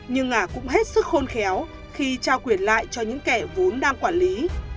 nhưng nga cũng hết sức khôn khéo khi trao quyền lại cho những kẻ vốn đang quản lý